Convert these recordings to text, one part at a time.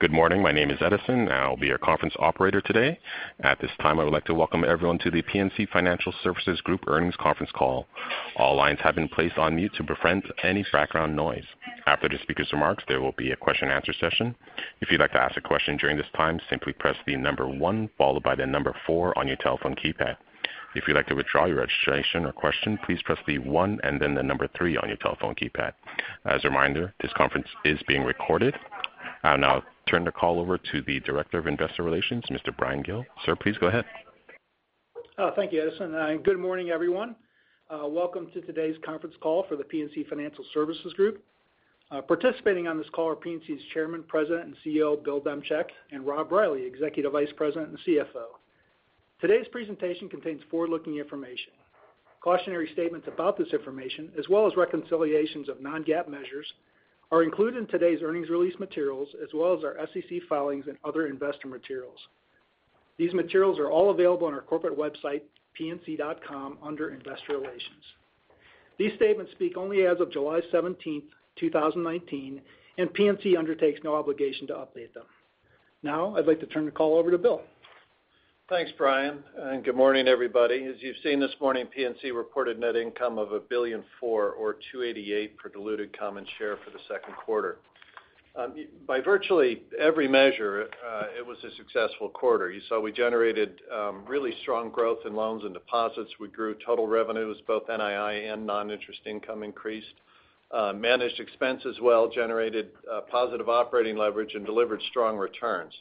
Good morning. My name is Edison. I'll be your conference operator today. At this time, I would like to welcome everyone to The PNC Financial Services Group earnings conference call. All lines have been placed on mute to prevent any background noise. After the speaker's remarks, there will be a question-and-answer session. If you'd like to ask a question during this time, simply press the number one followed by the number four on your telephone keypad. If you'd like to withdraw your registration or question, please press the one and then the number three on your telephone keypad. As a reminder, this conference is being recorded. I'll now turn the call over to the Director of Investor Relations, Mr. Bryan Gill. Sir, please go ahead. Thank you, Edison. Good morning, everyone. Welcome to today's conference call for The PNC Financial Services Group. Participating on this call are PNC's Chairman, President, and CEO, Bill Demchak, and Rob Reilly, Executive Vice President and CFO. Today's presentation contains forward-looking information. Cautionary statements about this information, as well as reconciliations of non-GAAP measures, are included in today's earnings release materials, as well as our SEC filings and other investor materials. These materials are all available on our corporate website, pnc.com, under Investor Relations. These statements speak only as of July 17th, 2019, and PNC undertakes no obligation to update them. I'd like to turn the call over to Bill. Thanks, Bryan, good morning, everybody. As you've seen this morning, PNC reported net income of $1.4 billion or $2.88 per diluted common share for the second quarter. By virtually every measure, it was a successful quarter. You saw we generated really strong growth in loans and deposits. We grew total revenues, both NII and non-interest income increased, managed expenses well, generated positive operating leverage, and delivered strong returns.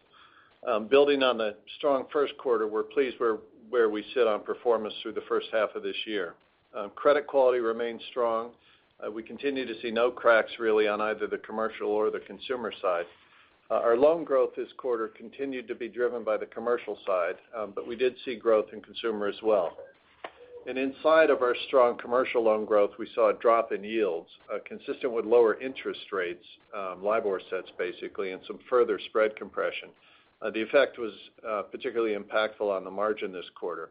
Building on the strong first quarter, we're pleased where we sit on performance through the first half of this year. Credit quality remains strong. We continue to see no cracks really on either the commercial or the consumer side. Our loan growth this quarter continued to be driven by the commercial side, we did see growth in consumer as well. Inside of our strong commercial loan growth, we saw a drop in yields, consistent with lower interest rates, LIBOR sets basically, some further spread compression. The effect was particularly impactful on the margin this quarter.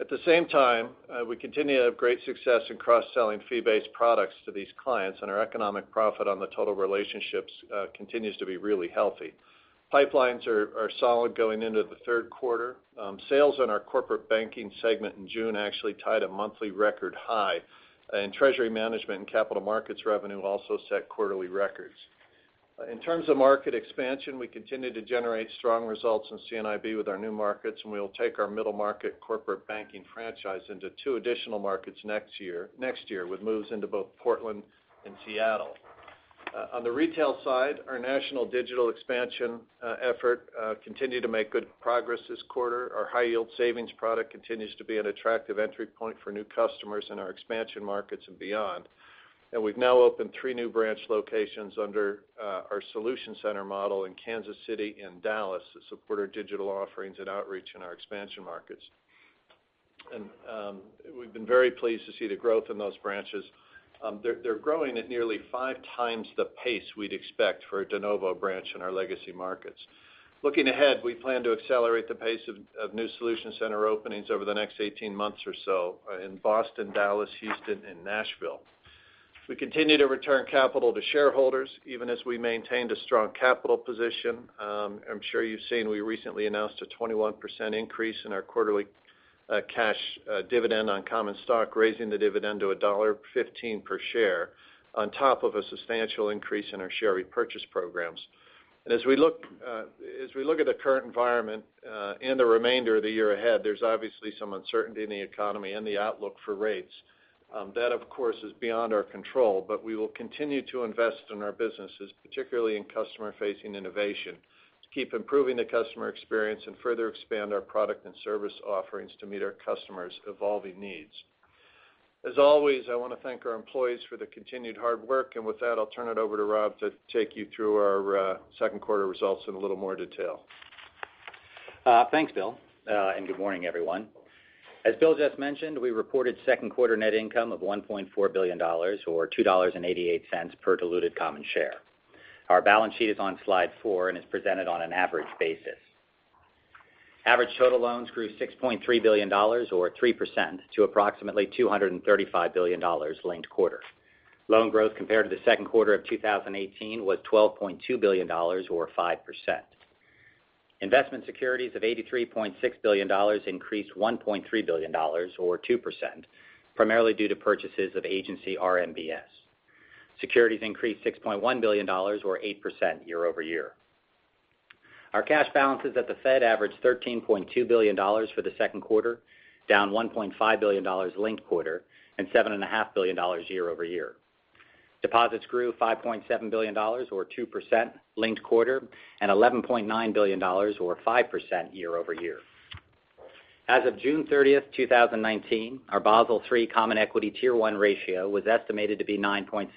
At the same time, we continue to have great success in cross-selling fee-based products to these clients, our economic profit on the total relationships continues to be really healthy. Pipelines are solid going into the third quarter. Sales in our corporate banking segment in June actually tied a monthly record high, treasury management and capital markets revenue also set quarterly records. In terms of market expansion, we continue to generate strong results in C&IB with our new markets, we will take our middle market corporate banking franchise into two additional markets next year with moves into both Portland and Seattle. On the retail side, our national digital expansion effort continued to make good progress this quarter. Our high yield savings product continues to be an attractive entry point for new customers in our expansion markets and beyond. We've now opened three new branch locations under our Solution Center model in Kansas City and Dallas to support our digital offerings and outreach in our expansion markets. We've been very pleased to see the growth in those branches. They're growing at nearly five times the pace we'd expect for a de novo branch in our legacy markets. Looking ahead, we plan to accelerate the pace of new Solution Center openings over the next 18 months or so in Boston, Dallas, Houston, and Nashville. We continue to return capital to shareholders, even as we maintained a strong capital position. I'm sure you've seen we recently announced a 21% increase in our quarterly cash dividend on common stock, raising the dividend to $1.15 per share, on top of a substantial increase in our share repurchase programs. As we look at the current environment and the remainder of the year ahead, there's obviously some uncertainty in the economy and the outlook for rates. That, of course, is beyond our control, but we will continue to invest in our businesses, particularly in customer-facing innovation, to keep improving the customer experience and further expand our product and service offerings to meet our customers' evolving needs. As always, I want to thank our employees for the continued hard work. With that, I'll turn it over to Rob to take you through our second quarter results in a little more detail. Thanks, Bill, and good morning, everyone. As Bill just mentioned, we reported second quarter net income of $1.4 billion, or $2.88 per diluted common share. Our balance sheet is on Slide four and is presented on an average basis. Average total loans grew $6.3 billion, or 3%, to approximately $235 billion linked quarter. Loan growth compared to the second quarter of 2018 was $12.2 billion, or 5%. Investment securities of $83.6 billion increased $1.3 billion, or 2%, primarily due to purchases of agency RMBS. Securities increased $6.1 billion, or 8%, year over year. Our cash balances at the Fed averaged $13.2 billion for the second quarter, down $1.5 billion linked quarter, and $7.5 billion year over year. Deposits grew $5.7 billion, or 2%, linked quarter, and $11.9 billion, or 5%, year over year. As of June 30th, 2019, our Basel III Common Equity Tier 1 ratio was estimated to be 9.7%,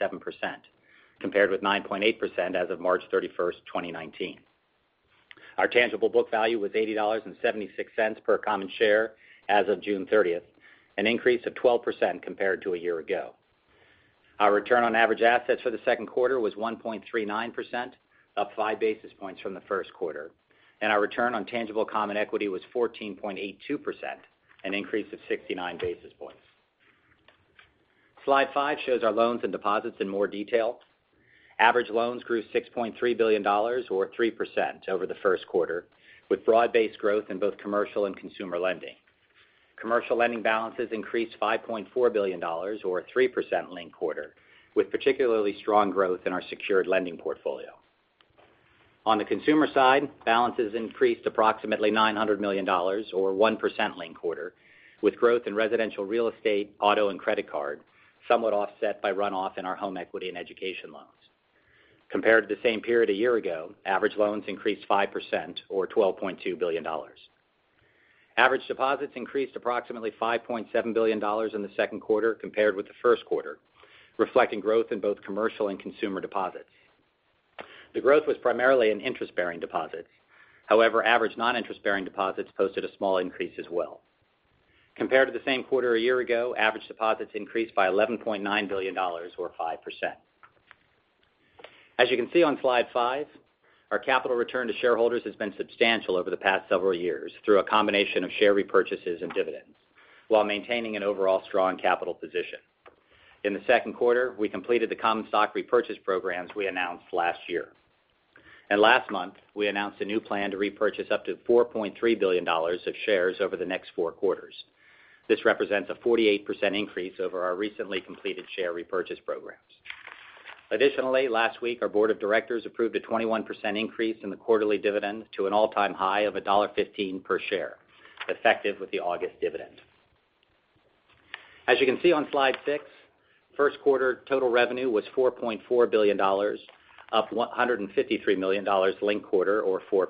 compared with 9.8% as of March 31st, 2019. Our tangible book value was $80.76 per common share as of June 30th, an increase of 12% compared to a year ago. Our return on average assets for the second quarter was 1.39%, up 5 basis points from the first quarter. Our return on tangible common equity was 14.82%, an increase of 69 basis points. Slide five shows our loans and deposits in more detail. Average loans grew $6.3 billion, or 3%, over the first quarter, with broad-based growth in both commercial and consumer lending. Commercial lending balances increased $5.4 billion, or 3% linked quarter, with particularly strong growth in our secured lending portfolio. On the consumer side, balances increased approximately $900 million, or 1% linked quarter, with growth in residential real estate, auto, and credit card somewhat offset by runoff in our home equity and education loans. Compared to the same period a year ago, average loans increased 5%, or $12.2 billion. Average deposits increased approximately $5.7 billion in the second quarter compared with the first quarter, reflecting growth in both commercial and consumer deposits. The growth was primarily in interest-bearing deposits. However, average non-interest-bearing deposits posted a small increase as well. Compared to the same quarter a year ago, average deposits increased by $11.9 billion, or 5%. As you can see on Slide five, our capital return to shareholders has been substantial over the past several years through a combination of share repurchases and dividends while maintaining an overall strong capital position. In the second quarter, we completed the common stock repurchase programs we announced last year. Last month, we announced a new plan to repurchase up to $4.3 billion of shares over the next four quarters. This represents a 48% increase over our recently completed share repurchase programs. Additionally, last week, our board of directors approved a 21% increase in the quarterly dividend to an all-time high of $1.15 per share, effective with the August dividend. As you can see on Slide six, first quarter total revenue was $4.4 billion, up $153 million linked quarter, or 4%.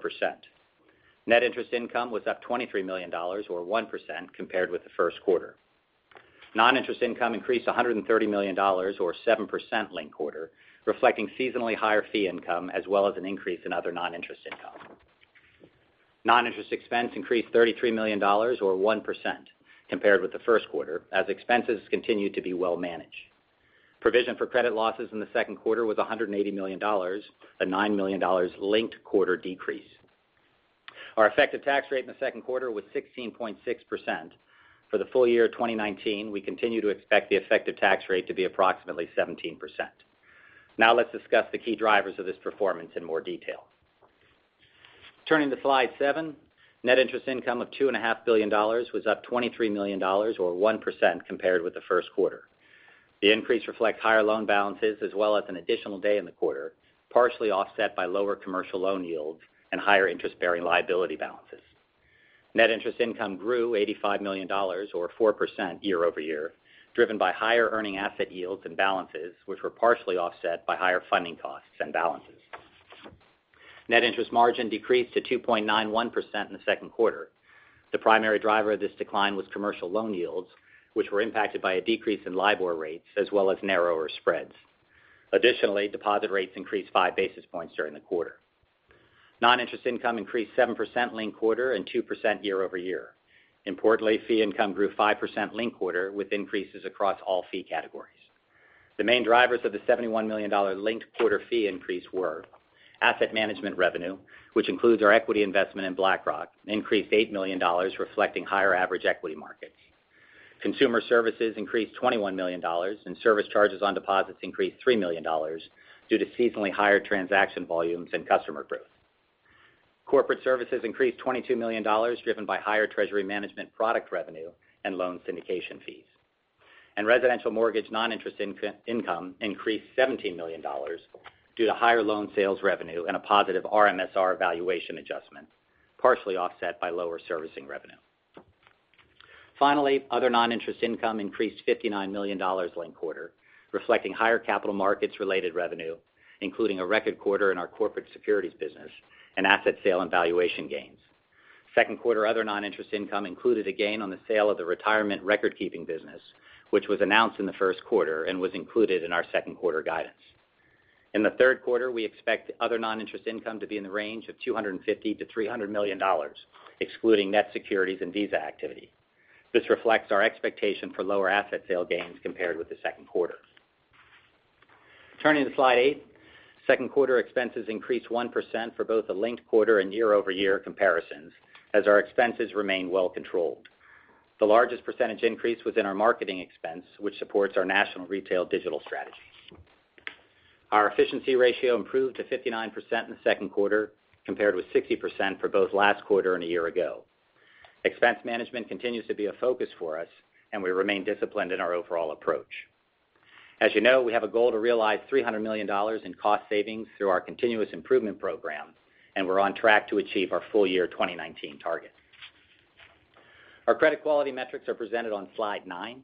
Net interest income was up $23 million, or 1%, compared with the first quarter. Non-interest income increased $130 million, or 7% linked quarter, reflecting seasonally higher fee income as well as an increase in other non-interest income. Non-interest expense increased $33 million, or 1%, compared with the first quarter, as expenses continued to be well managed. Provision for credit losses in the second quarter was $180 million, a $9 million linked quarter decrease. Our effective tax rate in the second quarter was 16.6%. For the full-year 2019, we continue to expect the effective tax rate to be approximately 17%. Let's discuss the key drivers of this performance in more detail. Turning to Slide seven, net interest income of $2.5 billion was up $23 million, or 1%, compared with the first quarter. The increase reflects higher loan balances as well as an additional day in the quarter, partially offset by lower commercial loan yields and higher interest-bearing liability balances. Net interest income grew $85 million, or 4%, year-over-year, driven by higher earning asset yields and balances, which were partially offset by higher funding costs and balances. Net interest margin decreased to 2.91% in the second quarter. The primary driver of this decline was commercial loan yields, which were impacted by a decrease in LIBOR rates as well as narrower spreads. Additionally, deposit rates increased 5 basis points during the quarter. Non-interest income increased 7% linked quarter and 2% year-over-year. Importantly, fee income grew 5% linked quarter, with increases across all fee categories. The main drivers of the $71 million linked quarter fee increase were asset management revenue, which includes our equity investment in BlackRock, increased $8 million, reflecting higher average equity markets. Consumer services increased $21 million, and service charges on deposits increased $3 million due to seasonally higher transaction volumes and customer growth. Corporate services increased $22 million, driven by higher treasury management product revenue and loan syndication fees. Residential mortgage non-interest income increased $17 million due to higher loan sales revenue and a positive RMSR valuation adjustment, partially offset by lower servicing revenue. Finally, other non-interest income increased $59 million linked quarter, reflecting higher capital markets-related revenue, including a record quarter in our corporate securities business and asset sale and valuation gains. Second quarter other non-interest income included a gain on the sale of the retirement record-keeping business, which was announced in the first quarter and was included in our second quarter guidance. In the third quarter, we expect other non-interest income to be in the range of $250 million-$300 million, excluding net securities and Visa activity. This reflects our expectation for lower asset sale gains compared with the second quarter. Turning to Slide eight, second quarter expenses increased 1% for both the linked quarter and year-over-year comparisons as our expenses remain well controlled. The largest percentage increase was in our marketing expense, which supports our national retail digital strategy. Our efficiency ratio improved to 59% in the second quarter, compared with 60% for both last quarter and a year ago. Expense management continues to be a focus for us, and we remain disciplined in our overall approach. As you know, we have a goal to realize $300 million in cost savings through our continuous improvement program, and we're on track to achieve our full-year 2019 target. Our credit quality metrics are presented on Slide nine.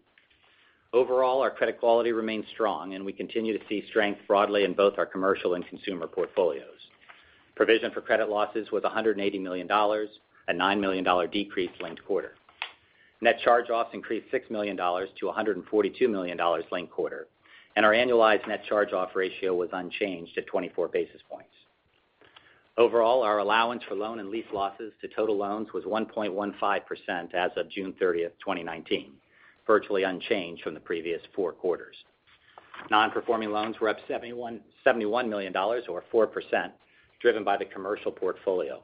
Overall, our credit quality remains strong, and we continue to see strength broadly in both our commercial and consumer portfolios. Provision for credit losses was $180 million, a $9 million decrease linked quarter. Net charge-offs increased $6 million-$142 million linked quarter, and our annualized net charge-off ratio was unchanged at 24 basis points. Overall, our allowance for loan and lease losses to total loans was 1.15% as of June 30th, 2019, virtually unchanged from the previous four quarters. Non-performing loans were up $71 million or 4%, driven by the commercial portfolio.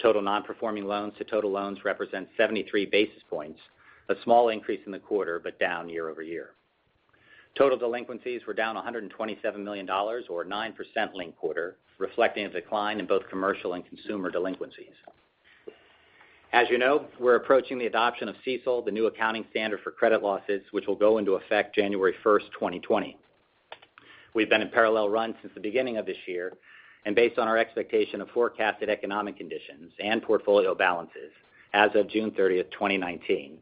Total non-performing loans to total loans represent 73 basis points, a small increase in the quarter, but down year-over-year. Total delinquencies were down $127 million or 9% linked quarter, reflecting a decline in both commercial and consumer delinquencies. As you know, we're approaching the adoption of CECL, the new accounting standard for credit losses, which will go into effect January 1st, 2020. We've been in parallel run since the beginning of this year, based on our expectation of forecasted economic conditions and portfolio balances as of June 30th, 2019,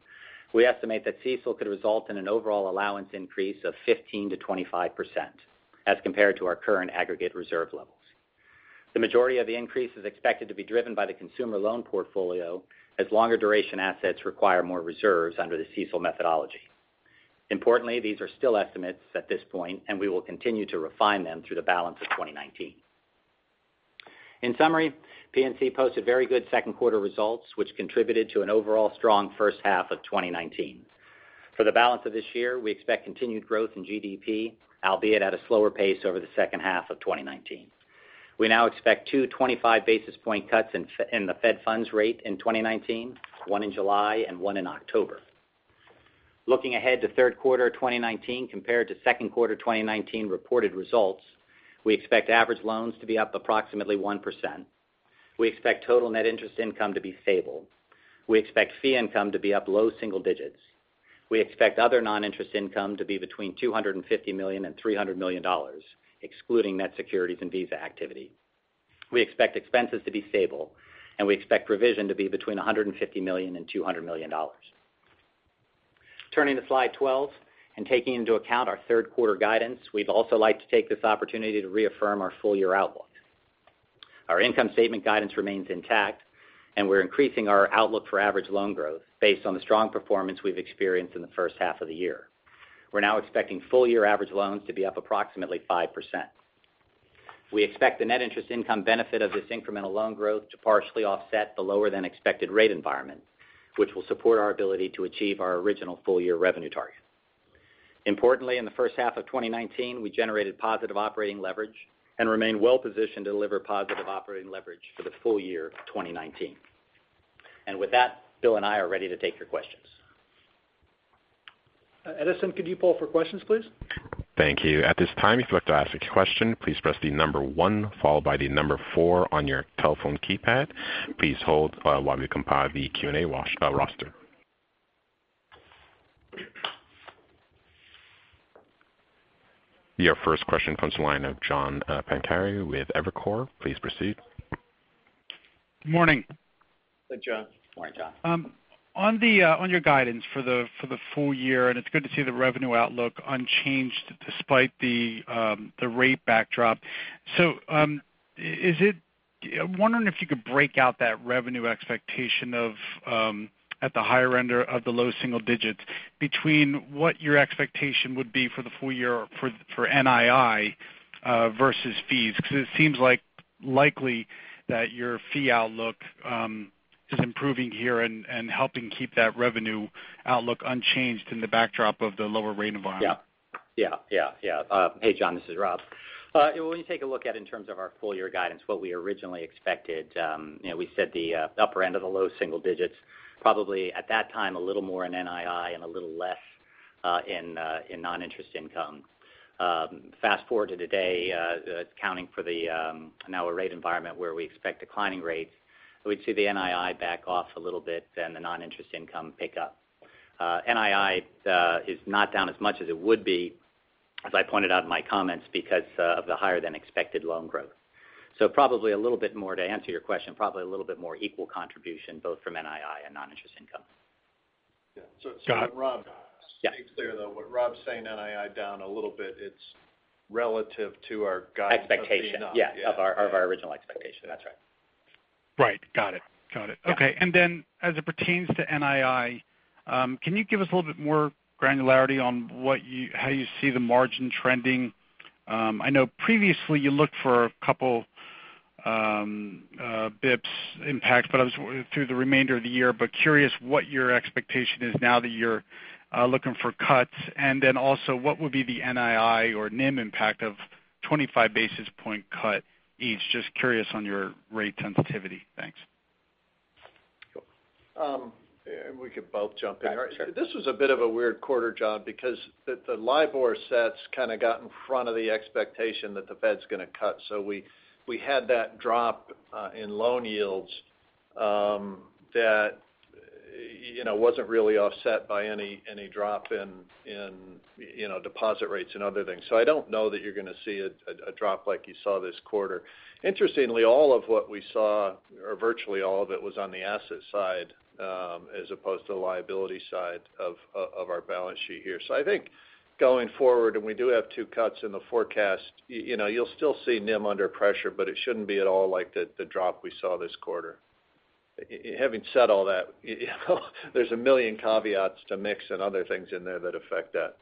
we estimate that CECL could result in an overall allowance increase of 15%-25%, as compared to our current aggregate reserve levels. The majority of the increase is expected to be driven by the consumer loan portfolio, as longer duration assets require more reserves under the CECL methodology. Importantly, these are still estimates at this point, and we will continue to refine them through the balance of 2019. In summary, PNC posted very good second quarter results, which contributed to an overall strong first half of 2019. For the balance of this year, we expect continued growth in GDP, albeit at a slower pace over the second half of 2019. We now expect two 25-basis-point cuts in the Fed funds rate in 2019, one in July and one in October. Looking ahead to third quarter 2019 compared to second quarter 2019 reported results, we expect average loans to be up approximately 1%. We expect total net interest income to be stable. We expect fee income to be up low single-digits. We expect other non-interest income to be between $250 million and $300 million, excluding net securities and Visa activity. We expect expenses to be stable, and we expect provision to be between $150 million and $200 million. Turning to Slide 12 and taking into account our third quarter guidance, we'd also like to take this opportunity to reaffirm our full-year outlook. Our income statement guidance remains intact. We're increasing our outlook for average loan growth based on the strong performance we've experienced in the first half of the year. We're now expecting full-year average loans to be up approximately 5%. We expect the net interest income benefit of this incremental loan growth to partially offset the lower than expected rate environment, which will support our ability to achieve our original full-year revenue target. Importantly, in the first half of 2019, we generated positive operating leverage and remain well-positioned to deliver positive operating leverage for the full-year of 2019. With that, Bill and I are ready to take your questions. Edison, could you poll for questions, please? Thank you. At this time, if you would like to ask a question, please press the number one followed by the number four on your telephone keypad. Please hold while we compile the Q&A roster. Your first question comes to the line of John Pancari with Evercore. Please proceed. Morning. Hey, John. Morning, John. On your guidance for the full-year, it's good to see the revenue outlook unchanged despite the rate backdrop. I'm wondering if you could break out that revenue expectation at the higher end of the low single-digits between what your expectation would be for the full-year for NII versus fees. It seems likely that your fee outlook is improving here and helping keep that revenue outlook unchanged in the backdrop of the lower rate environment. Hey, John, this is Rob. When you take a look at in terms of our full-year guidance, what we originally expected, we said the upper end of the low single-digits, probably at that time, a little more in NII and a little less in non-interest income. Fast-forward to today, accounting for now a rate environment where we expect declining rates, we'd see the NII back off a little bit and the non-interest income pick up. NII is not down as much as it would be, as I pointed out in my comments, because of the higher than expected loan growth. Probably a little bit more to answer your question, probably a little bit more equal contribution both from NII and non-interest income. Yeah. John? Rob. Yeah. To be clear, though, what Rob's saying, NII down a little bit, it's relative to our guidance Expectation of the Yeah. Of our original expectation. That's right. Right. Got it. Yeah. Okay. As it pertains to NII, can you give us a little bit more granularity on how you see the margin trending? I know previously you looked for a couple basis points impact through the remainder of the year, but curious what your expectation is now that you're looking for cuts. Then also, what would be the NII or NIM impact of 25 basis point cut each? Just curious on your rate sensitivity. Thanks. Cool. We could both jump in. Yeah, sure. This was a bit of a weird quarter, John, because the LIBOR sets kind of got in front of the expectation that the Fed's going to cut. We had that drop in loan yields that wasn't really offset by any drop in deposit rates and other things. I don't know that you're going to see a drop like you saw this quarter. Interestingly, all of what we saw, or virtually all of it, was on the asset side as opposed to the liability side of our balance sheet here. I think going forward, and we do have two cuts in the forecast, you'll still see NIM under pressure, but it shouldn't be at all like the drop we saw this quarter. Having said all that, there's a million caveats to mix and other things in there that affect that.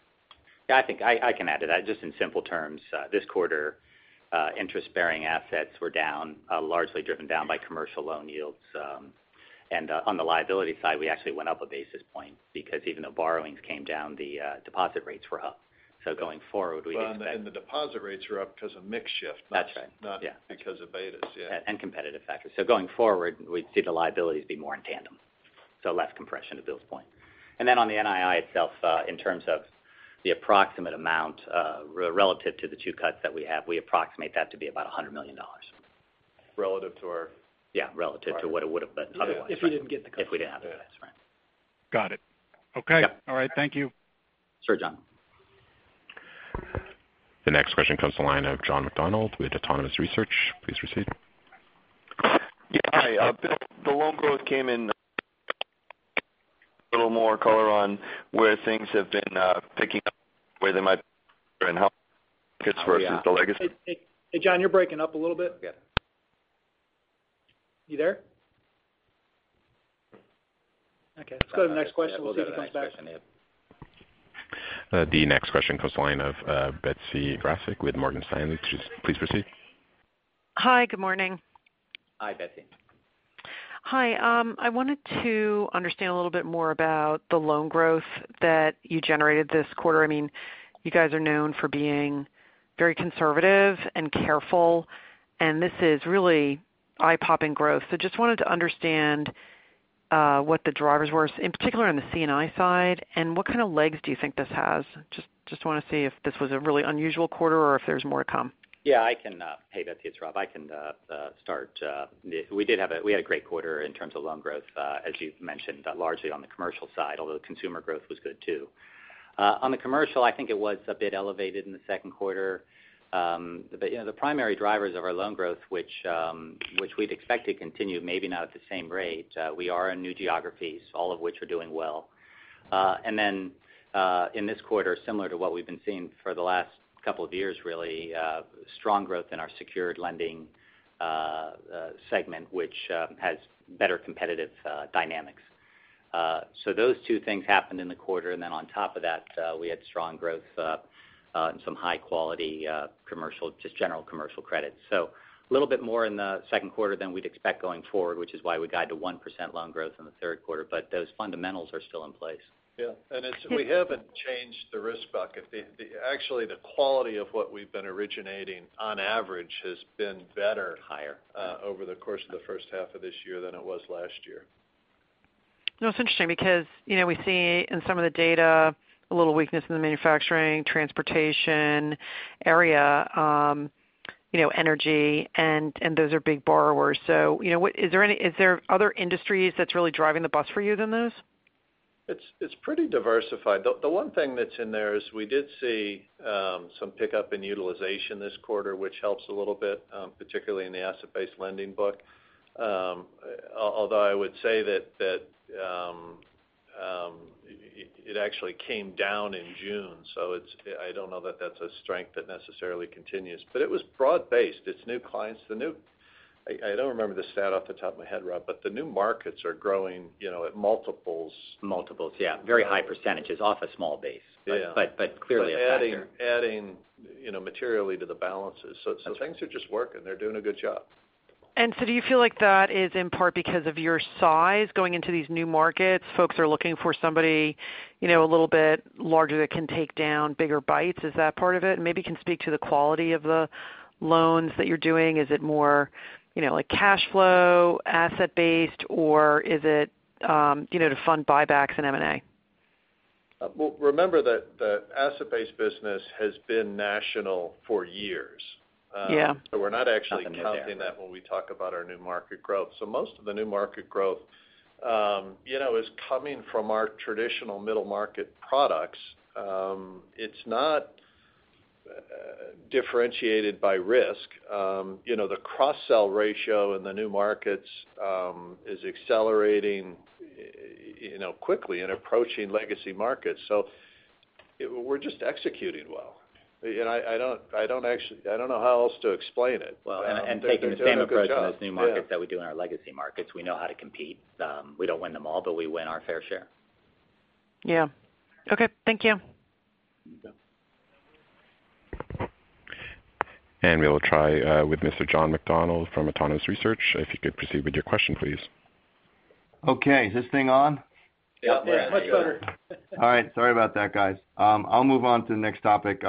Yeah, I think I can add to that. Just in simple terms, this quarter, interest-bearing assets were down, largely driven down by commercial loan yields. On the liability side, we actually went up 1 basis point because even though borrowings came down, the deposit rates were up. Going forward, we can expect Well, the deposit rates are up because of mix shift That's right. Yeah not because of betas. Yeah. Competitive factors. Going forward, we see the liabilities be more in tandem, so less compression to Bill's point. On the NII itself, in terms of the approximate amount relative to the two cuts that we have, we approximate that to be about $100 million. Relative to our- Yeah, relative to what it would've been otherwise. If you didn't get the cuts. If we didn't have the cuts, right. Got it. Okay. Yeah. All right. Thank you. Sure, John. The next question comes to the line of John McDonald with Autonomous Research. Please proceed. Yeah. Hi Bill, the loan growth came in. A little more color on where things have been picking up, where they might and how versus the legacy? Hey, John, you're breaking up a little bit. You there? Okay, let's go to the next question. We'll get it comes back. Yeah, we'll do the next question, yeah. The next question comes to the line of Betsy Graseck with Morgan Stanley. Please proceed. Hi. Good morning. Hi, Betsy. Hi. I wanted to understand a little bit more about the loan growth that you generated this quarter. You guys are known for being very conservative and careful, and this is really eye-popping growth. Just wanted to understand what the drivers were, in particular on the C&I side, and what kind of legs do you think this has? Just want to see if this was a really unusual quarter or if there's more to come. Yeah, hey, Betsy, it's Rob. I can start. We had a great quarter in terms of loan growth, as you've mentioned, largely on the commercial side, although consumer growth was good, too. On the commercial, I think it was a bit elevated in the second quarter. The primary drivers of our loan growth, which we'd expect to continue, maybe not at the same rate. We are in new geographies, all of which are doing well. In this quarter, similar to what we've been seeing for the last couple of years, really, strong growth in our secured lending segment, which has better competitive dynamics. Those two things happened in the quarter, On top of that, we had strong growth in some high-quality commercial, just general commercial credit. A little bit more in the second quarter than we'd expect going forward, which is why we guide to 1% loan growth in the third quarter. Those fundamentals are still in place. Yeah. We haven't changed the risk bucket. Actually, the quality of what we've been originating on average has been better. Higher over the course of the first half of this year than it was last year. It's interesting because we see in some of the data a little weakness in the manufacturing, transportation area, energy, and those are big borrowers. Is there other industries that's really driving the bus for you than those? It's pretty diversified. The one thing that's in there is we did see some pickup in utilization this quarter, which helps a little bit, particularly in the asset-based lending book. I would say that it actually came down in June, so I don't know that that's a strength that necessarily continues. It was broad based. It's new clients. I don't remember the stat off the top of my head, Rob, the new markets are growing at multiples. Multiples, yeah. Very high percentages off a small base. Yeah. Clearly a factor. Adding materially to the balances. Things are just working. They're doing a good job. Do you feel like that is in part because of your size going into these new markets? Folks are looking for somebody a little bit larger that can take down bigger bites. Is that part of it? Maybe you can speak to the quality of the loans that you're doing. Is it more like cash flow, asset based, or is it to fund buybacks and M&A? Well, remember that the asset-based business has been national for years. Yeah. Nothing new there. We're not actually counting that when we talk about our new market growth. Most of the new market growth is coming from our traditional middle market products. It's not differentiated by risk. The cross-sell ratio in the new markets is accelerating quickly and approaching legacy markets. We're just executing well. I don't know how else to explain it. They're doing a good job. Well, taking the same approach in those new markets that we do in our legacy markets. We know how to compete. We don't win them all, we win our fair share. Yeah. Okay. Thank you. You bet. We will try with Mr. John McDonald from Autonomous Research. If you could proceed with your question, please. Okay. Is this thing on? Yep. There you go. Yeah. Much better. All right. Sorry about that, guys. I'll move on to the next topic.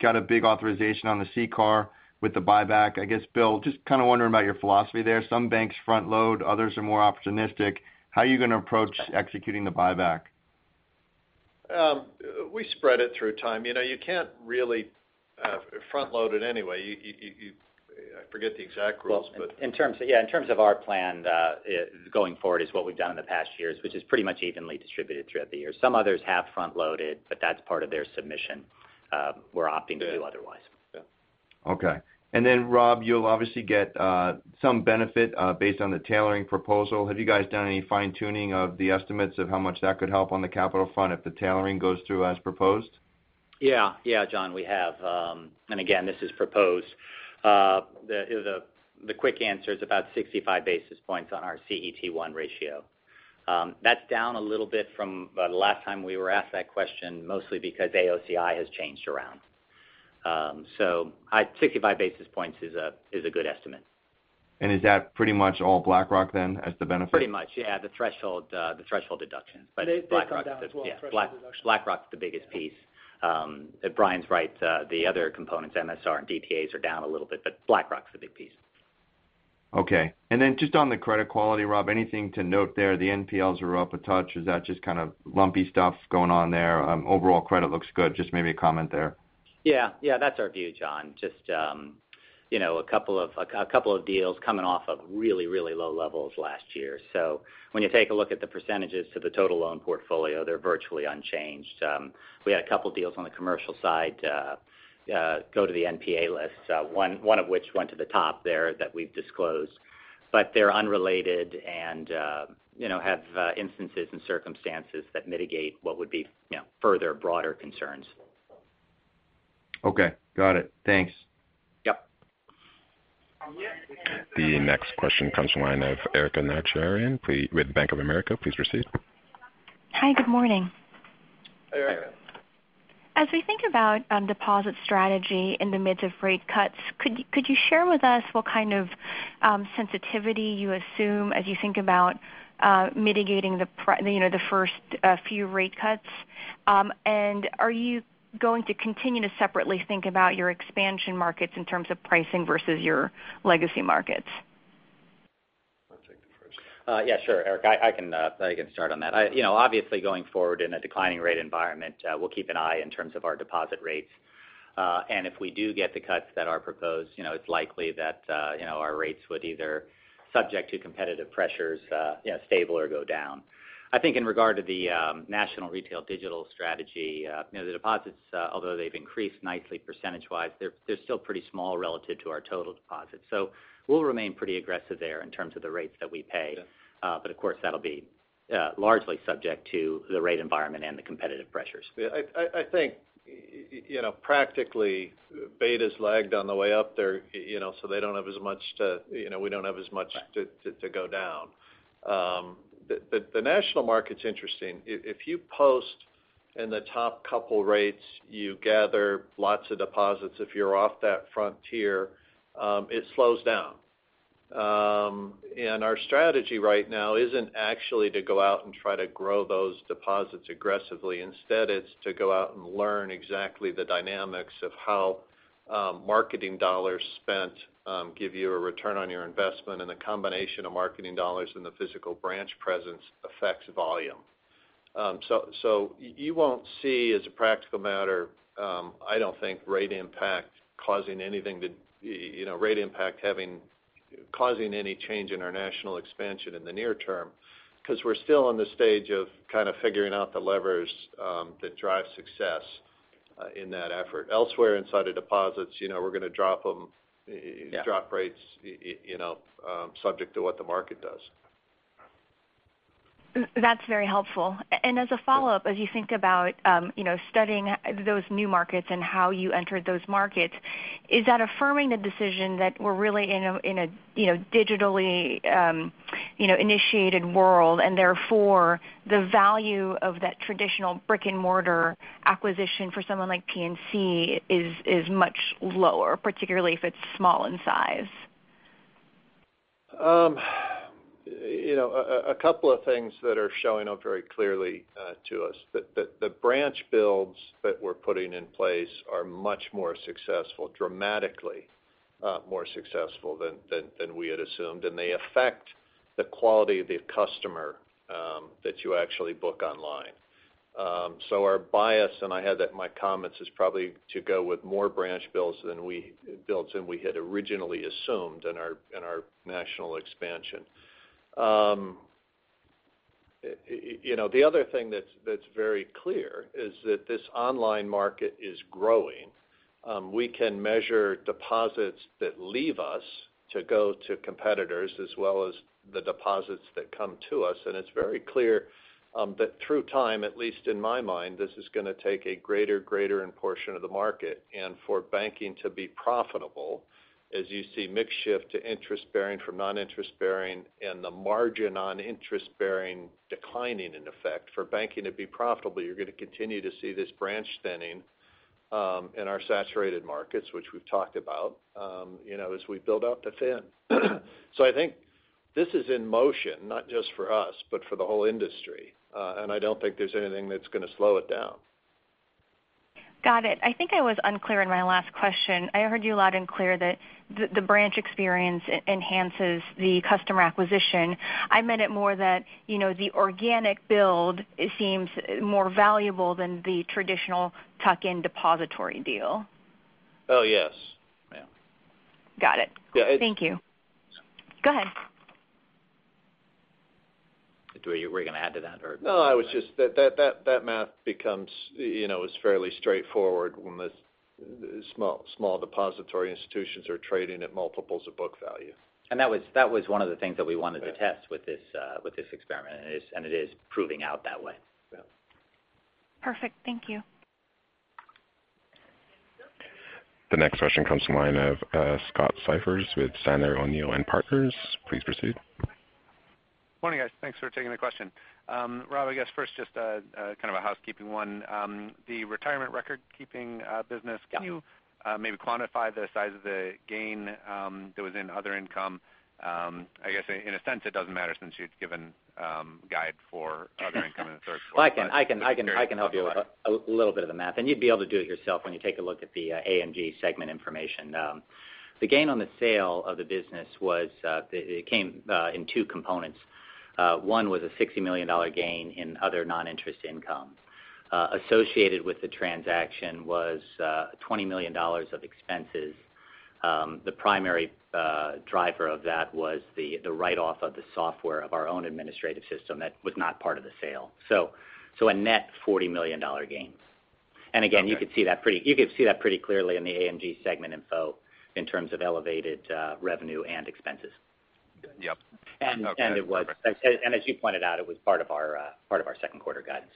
Got a big authorization on the CCAR with the buyback. I guess, Bill, just kind of wondering about your philosophy there. Some banks front load, others are more opportunistic. How are you going to approach executing the buyback? We spread it through time. You can't really front load it anyway. I forget the exact rules. Well, in terms of our plan going forward is what we've done in the past years, which is pretty much evenly distributed throughout the year. Some others have front loaded, but that's part of their submission. We're opting to do otherwise. Yeah. Okay. Rob, you'll obviously get some benefit based on the tailoring proposal. Have you guys done any fine-tuning of the estimates of how much that could help on the capital fund if the tailoring goes through as proposed? Yeah, John, we have. Again, this is proposed. The quick answer is about 65 basis points on our CET1 ratio. That's down a little bit from the last time we were asked that question, mostly because AOCI has changed around. 65 basis points is a good estimate. Is that pretty much all BlackRock then as the benefit? Pretty much, yeah. The threshold deduction. They've come down as well, threshold deduction. BlackRock's the biggest piece. Bryan's right, the other components, MSR and DTAs are down a little bit, BlackRock's the big piece. Okay. Just on the credit quality, Rob, anything to note there? The NPLs are up a touch. Is that just kind of lumpy stuff going on there? Overall credit looks good. Just maybe a comment there. Yeah. That's our view, John. Just a couple of deals coming off of really low levels last year. When you take a look at the percentages to the total loan portfolio, they're virtually unchanged. We had a couple deals on the commercial side go to the NPA list. One of which went to the top there that we've disclosed. They're unrelated and have instances and circumstances that mitigate what would be further broader concerns. Okay. Got it. Thanks. Yep. The next question comes from the line of Erika Najarian with Bank of America. Please proceed. Hi, good morning. Hey, Erika. As we think about deposit strategy in the midst of rate cuts, could you share with us what kind of sensitivity you assume as you think about mitigating the first few rate cuts? Are you going to continue to separately think about your expansion markets in terms of pricing versus your legacy markets? I'll take the first. Yeah, sure, Erika. I can start on that. Obviously, going forward in a declining rate environment, we'll keep an eye in terms of our deposit rates. If we do get the cuts that are proposed, it's likely that our rates would either, subject to competitive pressures, stable or go down. I think in regard to the national retail digital strategy, the deposits, although they've increased nicely percentage-wise, they're still pretty small relative to our total deposits. We'll remain pretty aggressive there in terms of the rates that we pay. Yeah. Of course, that'll be largely subject to the rate environment and the competitive pressures. I think, practically, betas lagged on the way up there, so we don't have as much to go down. The national market's interesting. If you post in the top couple rates, you gather lots of deposits. If you're off that frontier, it slows down. Our strategy right now isn't actually to go out and try to grow those deposits aggressively. Instead, it's to go out and learn exactly the dynamics of how marketing dollars spent give you a return on your investment, and the combination of marketing dollars and the physical branch presence affects volume. You won't see, as a practical matter, I don't think rate impact causing any change in our national expansion in the near term, because we're still in the stage of kind of figuring out the levers that drive success in that effort. Elsewhere inside of deposits, we're going to drop rates subject to what the market does. That's very helpful. As a follow-up, as you think about studying those new markets and how you entered those markets, is that affirming the decision that we're really in a digitally initiated world, and therefore the value of that traditional brick-and-mortar acquisition for someone like PNC is much lower, particularly if it's small in size? A couple of things that are showing up very clearly to us. The branch builds that we're putting in place are much more successful, dramatically more successful than we had assumed, and they affect the quality of the customer that you actually book online. Our bias, and I had that in my comments, is probably to go with more branch builds than we had originally assumed in our national expansion. The other thing that's very clear is that this online market is growing. We can measure deposits that leave us to go to competitors as well as the deposits that come to us, and it's very clear that through time, at least in my mind, this is going to take a greater and greater portion of the market. For banking to be profitable, as you see mix shift to interest-bearing from non-interest-bearing, and the margin on interest-bearing declining in effect, for banking to be profitable, you're going to continue to see this branch thinning in our saturated markets, which we've talked about as we build out the fin. I think this is in motion, not just for us, but for the whole industry. I don't think there's anything that's going to slow it down. Got it. I think I was unclear in my last question. I heard you loud and clear that the branch experience enhances the customer acquisition. I meant it more that the organic build seems more valuable than the traditional tuck-in depository deal. Oh, yes. Yeah. Got it. Thank you. Go ahead. Were you going to add to that or? No, that math is fairly straightforward when small depository institutions are trading at multiples of book value. That was one of the things that we wanted to test with this experiment, and it is proving out that way. Yeah. Perfect. Thank you. The next question comes from the line of Scott Siefers with Sandler O'Neill + Partners. Please proceed. Morning, guys. Thanks for taking the question. Rob, I guess first just kind of a housekeeping one. The retirement record-keeping business. Yeah. Can you maybe quantify the size of the gain that was in other income? I guess in a sense it doesn't matter since you'd given guide for other income in the third quarter. I can help you with a little bit of the math. You'd be able to do it yourself when you take a look at the AMG segment information. The gain on the sale of the business came in two components. One was a $60 million gain in other non-interest income. Associated with the transaction was $20 million of expenses. The primary driver of that was the write-off of the software of our own administrative system that was not part of the sale. A net $40 million gains. Again, you could see that pretty clearly in the AMG segment info in terms of elevated revenue and expenses. Yep. Okay. As you pointed out, it was part of our second quarter guidance.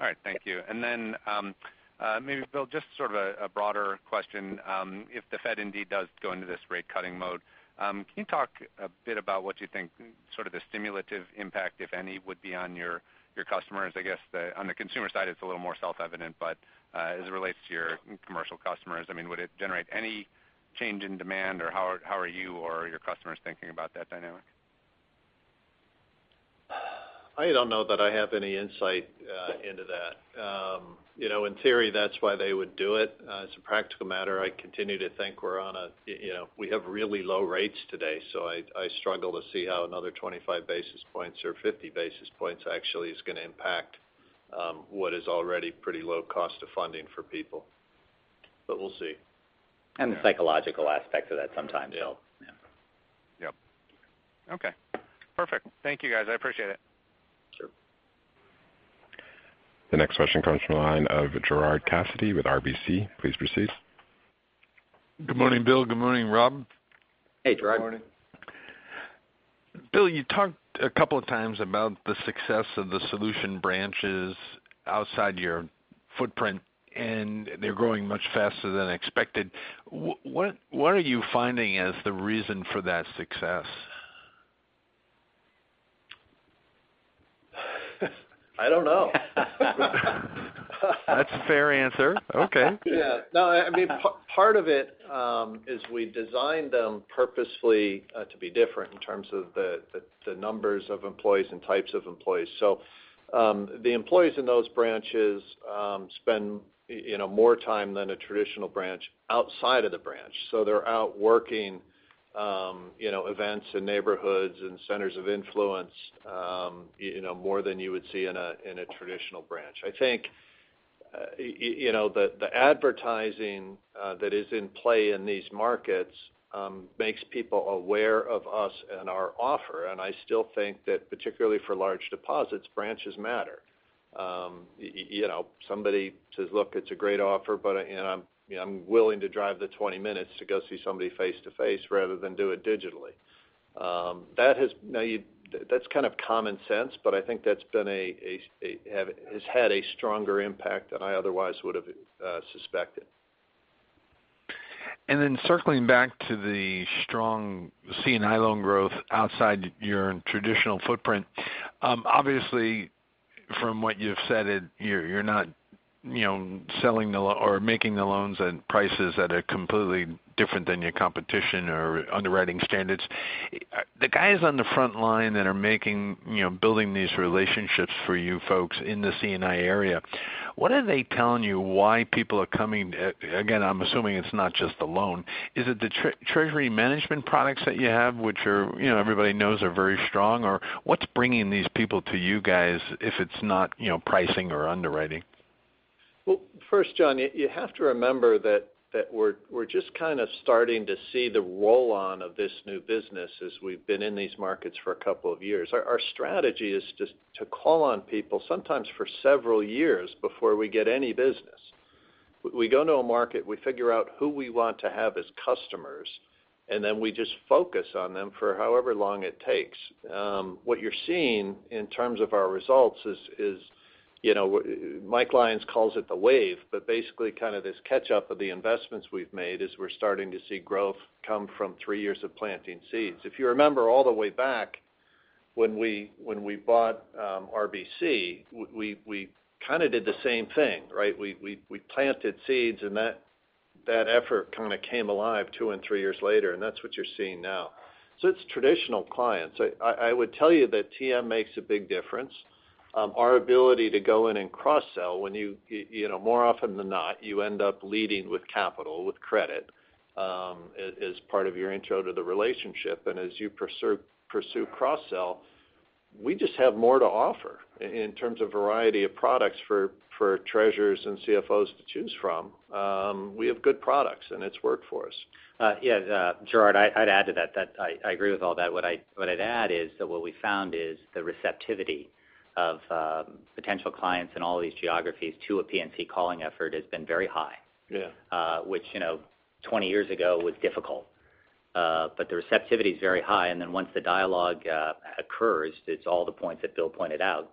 All right, thank you. Maybe Bill, just sort of a broader question. If the Fed indeed does go into this rate cutting mode, can you talk a bit about what you think sort of the stimulative impact, if any, would be on your customers? I guess on the consumer side it's a little more self-evident, but as it relates to your commercial customers, would it generate any change in demand or how are you or your customers thinking about that dynamic? I don't know that I have any insight into that. In theory, that's why they would do it. As a practical matter, I continue to think we have really low rates today. I struggle to see how another 25 basis points or 50 basis points actually is going to impact what is already pretty low cost of funding for people. We'll see. The psychological aspect of that sometimes helps. Yeah. Okay, perfect. Thank you guys. I appreciate it. Sure. The next question comes from the line of Gerard Cassidy with RBC. Please proceed. Good morning, Bill. Good morning, Rob. Hey, Gerard. Good morning. Bill, you talked a couple of times about the success of the solution branches outside your footprint. They're growing much faster than expected. What are you finding as the reason for that success? I don't know. That's a fair answer. Okay. Yeah. No, part of it is we designed them purposefully to be different in terms of the numbers of employees and types of employees. The employees in those branches spend more time than a traditional branch outside of the branch. They're out working events and neighborhoods and centers of influence more than you would see in a traditional branch. I think the advertising that is in play in these markets makes people aware of us and our offer. I still think that particularly for large deposits, branches matter. Somebody says, Look, it's a great offer, but I'm willing to drive the 20 minutes to go see somebody face-to-face rather than do it digitally. That's kind of common sense, but I think that's had a stronger impact than I otherwise would've suspected. Circling back to the strong C&I loan growth outside your traditional footprint. Obviously from what you've said, you're not making the loans at prices that are completely different than your competition or underwriting standards. The guys on the front line that are building these relationships for you folks in the C&I area, what are they telling you why people are coming? Again, I'm assuming it's not just the loan. Is it the treasury management products that you have, which everybody knows are very strong? Or what's bringing these people to you guys if it's not pricing or underwriting? Well, first, John, you have to remember that we're just kind of starting to see the roll-on of this new business as we've been in these markets for a couple of years. Our strategy is just to call on people sometimes for several years before we get any business. We go into a market, we figure out who we want to have as customers, and then we just focus on them for however long it takes. What you're seeing in terms of our results is, Mike Lyons calls it the wave, but basically kind of this catch-up of the investments we've made as we're starting to see growth come from three years of planting seeds. If you remember all the way back when we bought RBC, we kind of did the same thing, right? We planted seeds and that effort kind of came alive two and three years later. That's what you're seeing now. It's traditional clients. I would tell you that TM makes a big difference. Our ability to go in and cross-sell. More often than not, you end up leading with capital, with credit as part of your intro to the relationship. As you pursue cross-sell, we just have more to offer in terms of variety of products for treasurers and CFOs to choose from. We have good products. It's worked for us. Yeah. Gerard, I'd add to that. I agree with all that. What I'd add is that what we found is the receptivity of potential clients in all these geographies to a PNC calling effort has been very high. Yeah. Which, 20 years ago was difficult. The receptivity is very high. Once the dialogue occurs, it's all the points that Bill pointed out.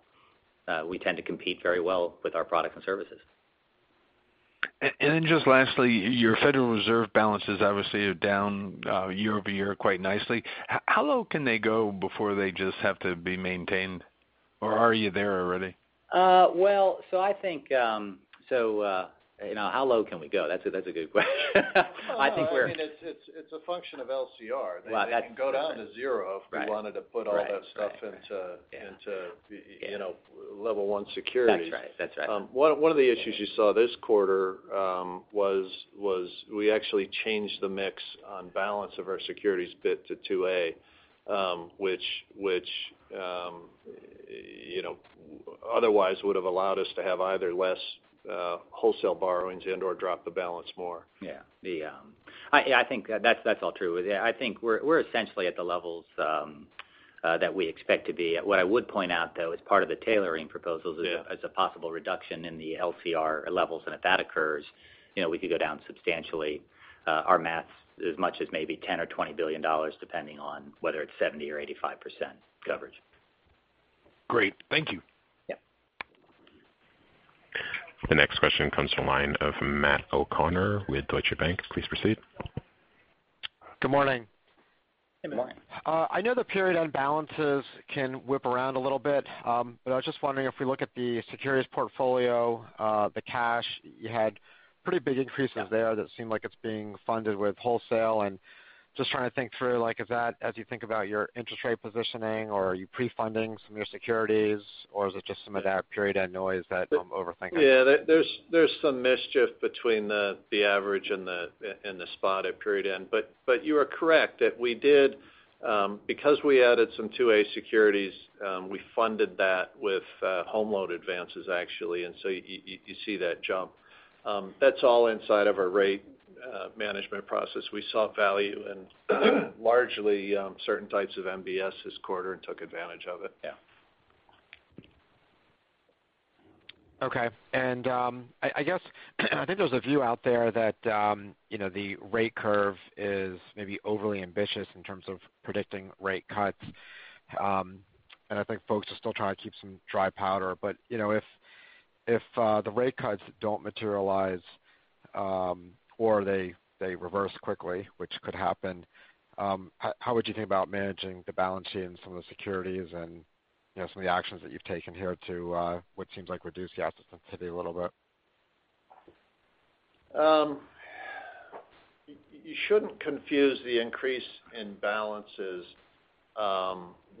We tend to compete very well with our products and services. Just lastly, your Federal Reserve balances obviously are down year-over-year quite nicely. How low can they go before they just have to be maintained? Are you there already? How low can we go? That's a good question. No, it's a function of LCR. Well. They can go down to zero. Right if we wanted to put all that stuff into- Yeah level 1 securities. That's right. One of the issues you saw this quarter was we actually changed the mix on balance of our securities bit to 2A which otherwise would've allowed us to have either less wholesale borrowings in or drop the balance more. Yeah. I think that's all true. I think we're essentially at the levels that we expect to be at. What I would point out, though, as part of the tailoring proposals. Yeah is a possible reduction in the LCR levels. If that occurs, we could go down substantially our maths as much as maybe $10 or $20 billion, depending on whether it's 70% or 85% coverage. Great. Thank you. Yep. The next question comes from the line of Matt O'Connor with Deutsche Bank. Please proceed. Good morning. Good morning. I know the period-end balances can whip around a little bit. I was just wondering if we look at the securities portfolio, the cash, you had pretty big increases there that seem like it's being funded with wholesale, and just trying to think through, is that as you think about your interest rate positioning, or are you pre-funding some of your securities, or is it just some of that period-end noise that I'm overthinking? Yeah. There's some mischief between the average and the spot at period-end. You are correct that because we added some 2A securities, we funded that with home loan advances, actually. You see that jump. That's all inside of our rate management process. We saw value in largely certain types of MBS this quarter and took advantage of it. Yeah. Okay. I guess, I think there's a view out there that the rate curve is maybe overly ambitious in terms of predicting rate cuts. I think folks are still trying to keep some dry powder. If the rate cuts don't materialize or they reverse quickly, which could happen, how would you think about managing the balance sheet and some of the securities and some of the actions that you've taken here to what seems like reduce the asset sensitivity a little bit? You shouldn't confuse the increase in balances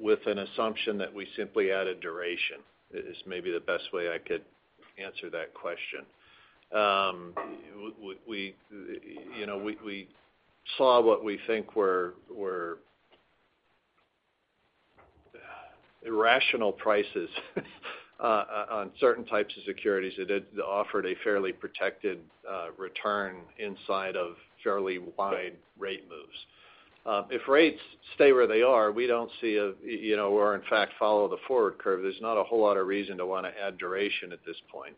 with an assumption that we simply added duration, is maybe the best way I could answer that question. We saw what we think were irrational prices on certain types of securities that offered a fairly protected return inside of fairly wide rate moves. If rates stay where they are or in fact follow the forward curve, there's not a whole lot of reason to want to add duration at this point.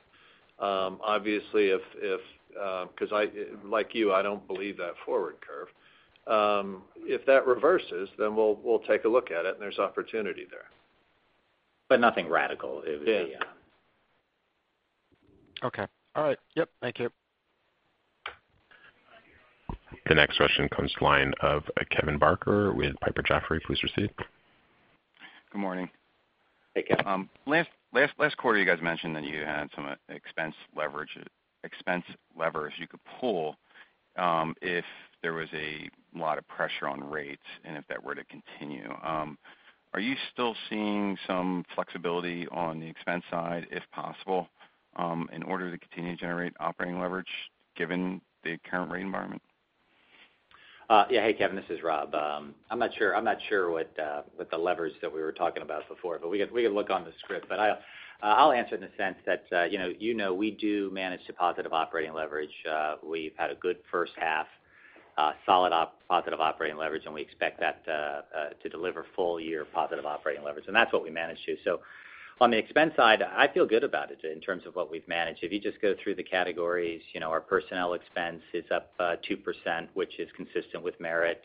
Obviously, because like you, I don't believe that forward curve. If that reverses, we'll take a look at it and there's opportunity there. Nothing radical. Yeah. Okay. All right. Yep. Thank you. The next question comes to the line of Kevin Barker with Piper Jaffray. Please proceed. Good morning. Hey, Kevin. Last quarter, you guys mentioned that you had some expense levers you could pull if there was a lot of pressure on rates, and if that were to continue. Are you still seeing some flexibility on the expense side, if possible, in order to continue to generate operating leverage given the current rate environment? Hey, Kevin. This is Rob. I'm not sure what the levers that we were talking about before, but we could look on the script. I'll answer in the sense that you know we do manage to positive operating leverage. We've had a good first half, solid positive operating leverage, and we expect that to deliver full-year positive operating leverage. That's what we manage to. On the expense side, I feel good about it in terms of what we've managed. If you just go through the categories, our personnel expense is up 2%, which is consistent with merit.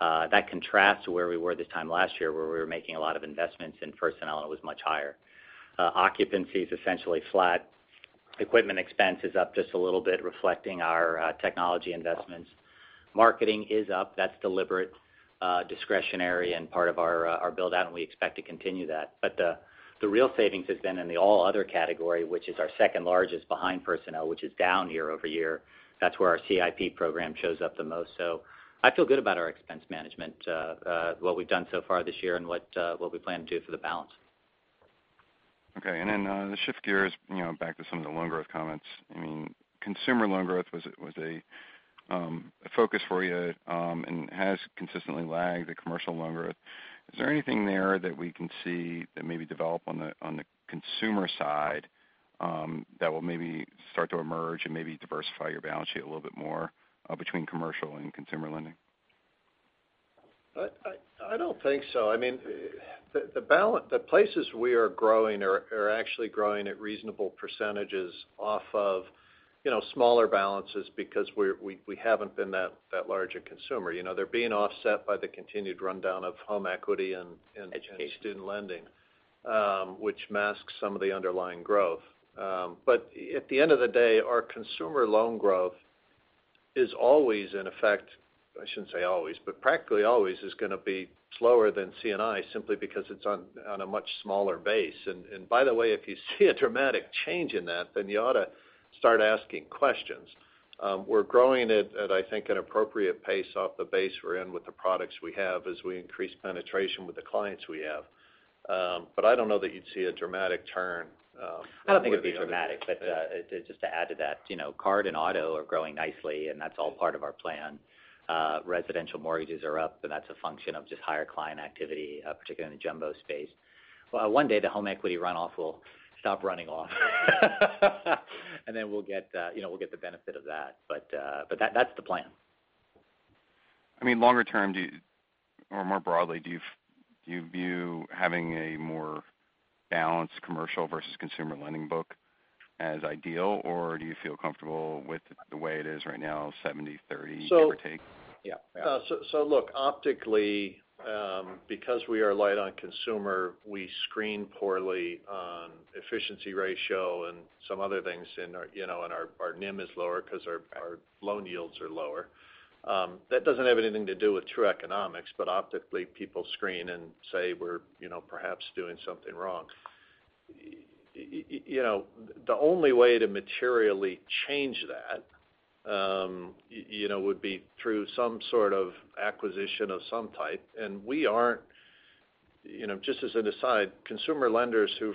That contrasts where we were this time last year where we were making a lot of investments in personnel, and it was much higher. Occupancy is essentially flat. Equipment expense is up just a little bit, reflecting our technology investments. Marketing is up. That's deliberate, discretionary, and part of our buildout, and we expect to continue that. The real savings has been in the all other category, which is our second largest behind personnel, which is down year-over-year. That's where our CIP program shows up the most. I feel good about our expense management, what we've done so far this year and what we plan to do for the balance. Okay. To shift gears back to some of the loan growth comments. Consumer loan growth was a focus for you and has consistently lagged the commercial loan growth. Is there anything there that we can see that maybe develop on the consumer side that will maybe start to emerge and maybe diversify your balance sheet a little bit more between commercial and consumer lending? I don't think so. The places we are growing are actually growing at reasonable percentages off of smaller balances because we haven't been that large a consumer. They're being offset by the continued rundown of home equity. Education student lending which masks some of the underlying growth. At the end of the day, our consumer loan growth is always in effect, I shouldn't say always, but practically always is going to be slower than C&I simply because it's on a much smaller base. By the way, if you see a dramatic change in that, you ought to start asking questions. We're growing at, I think, an appropriate pace off the base we're in with the products we have as we increase penetration with the clients we have. I don't know that you'd see a dramatic turn I don't think it'd be dramatic, just to add to that, card and auto are growing nicely, that's all part of our plan. Residential mortgages are up, that's a function of just higher client activity, particularly in the jumbo space. One day the home equity runoff will stop running off. We'll get the benefit of that. That's the plan. Longer term, or more broadly, do you view having a more balanced commercial versus consumer lending book as ideal, or do you feel comfortable with the way it is right now, 70/30 give or take? Yeah. Look, optically because we are light on consumer, we screen poorly on efficiency ratio and some other things, our NIM is lower because our loan yields are lower. That doesn't have anything to do with true economics, optically, people screen and say we're perhaps doing something wrong. The only way to materially change that would be through some sort of acquisition of some type, we aren't. Just as an aside, consumer lenders who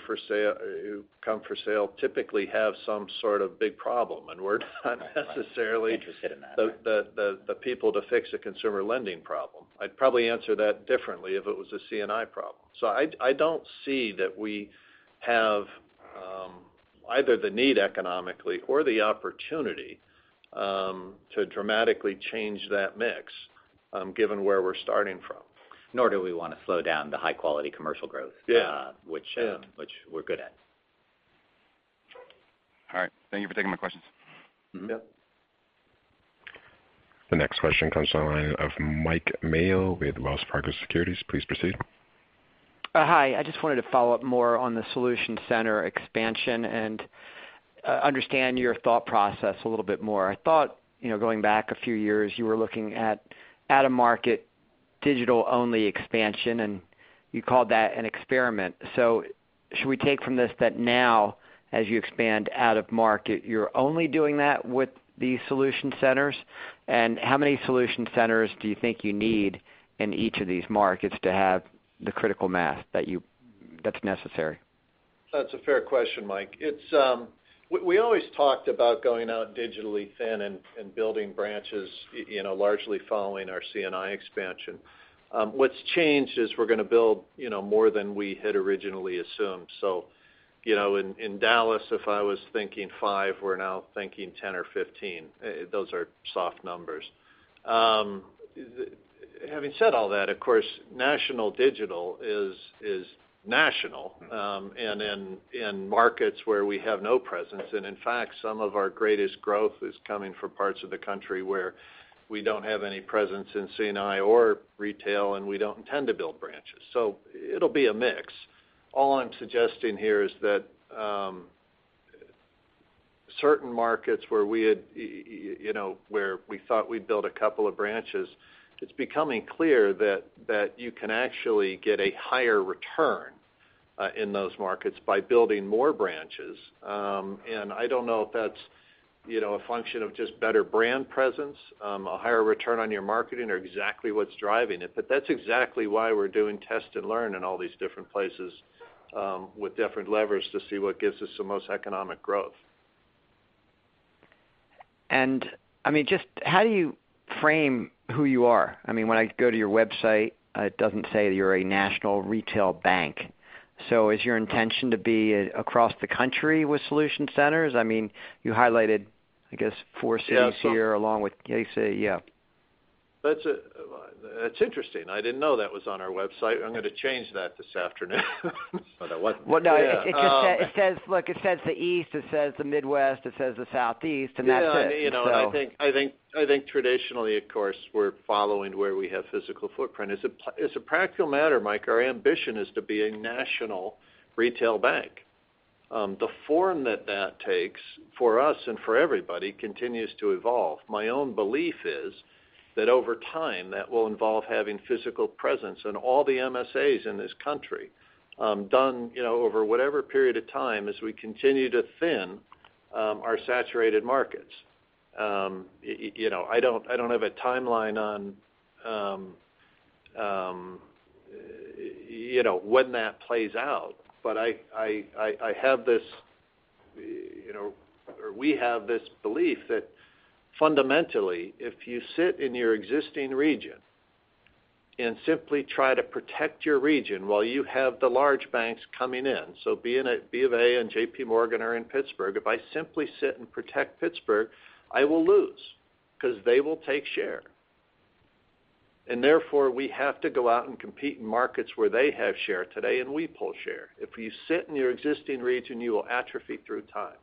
come for sale typically have some sort of big problem, we're not necessarily Interested in that the people to fix a consumer lending problem. I'd probably answer that differently if it was a C&I problem. I don't see that we have either the need economically or the opportunity to dramatically change that mix given where we're starting from. Nor do we want to slow down the high-quality commercial growth- Yeah which we're good at. All right. Thank you for taking my questions. Yep. The next question comes to the line of Mike Mayo with Wells Fargo Securities. Please proceed. Hi. I just wanted to follow up more on the Solution Center expansion and understand your thought process a little bit more. I thought, going back a few years, you were looking at out-of-market digital-only expansion, and you called that an experiment. Should we take from this that now, as you expand out of market, you're only doing that with the Solution Centers? How many Solution Centers do you think you need in each of these markets to have the critical mass that's necessary? That's a fair question, Mike. We always talked about going out digitally thin and building branches largely following our C&I expansion. What's changed is we're going to build more than we had originally assumed. In Dallas, if I was thinking five, we're now thinking 10 or 15. Those are soft numbers. Having said all that, of course, national digital is national and in markets where we have no presence. In fact, some of our greatest growth is coming from parts of the country where we don't have any presence in C&I or retail, and we don't intend to build branches. It'll be a mix. All I'm suggesting here is that certain markets where we thought we'd build a couple of branches, it's becoming clear that you can actually get a higher return in those markets by building more branches. I don't know if that's a function of just better brand presence, a higher return on your marketing, or exactly what's driving it. That's exactly why we're doing test and learn in all these different places with different levers to see what gives us the most economic growth. Just how do you frame who you are? When I go to your website, it doesn't say that you're a national retail bank. Is your intention to be across the country with Solution Centers? You highlighted, I guess, four cities here along with. That's interesting. I didn't know that was on our website. I'm going to change that this afternoon. No, that wasn't. No. It says the East, it says the Midwest, it says the Southeast, and that's it. I think traditionally, of course, we're following where we have physical footprint. As a practical matter, Mike, our ambition is to be a national retail bank. The form that that takes for us and for everybody continues to evolve. My own belief is that over time, that will involve having physical presence in all the MSAs in this country done over whatever period of time as we continue to thin our saturated markets. I don't have a timeline on when that plays out. We have this belief that fundamentally, if you sit in your existing region and simply try to protect your region while you have the large banks coming in, B of A and JPMorgan are in Pittsburgh. If I simply sit and protect Pittsburgh, I will lose because they will take share. Therefore, we have to go out and compete in markets where they have share today and we pull share. If you sit in your existing region, you will atrophy through time.